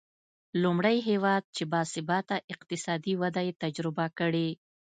لومړی هېواد چې با ثباته اقتصادي وده یې تجربه کړې.